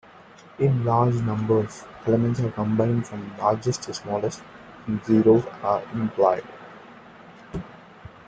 In large numbers, elements are combined from largest to smallest, and zeros are implied.